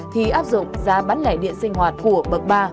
thì áp dụng giá bán lẻ điện sinh hoạt của bậc ba